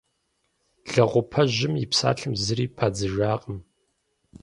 Лэгъупэжьым и псалъэм зыри падзыжакъым.